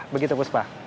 begitu bu sipah